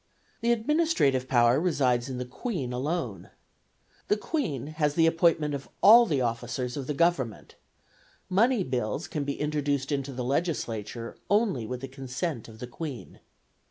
The administrative power resides in the Queen alone. The Queen has the appointment of all the officers of the government; money bills can be introduced into the legislature only with the consent of the Queen.